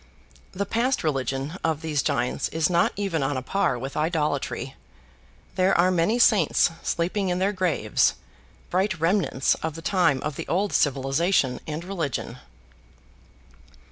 The past religion of these giants is not even on a par with idolatry. There are many saints sleeping in their graves, bright remnants of the time of the old civilization and religion.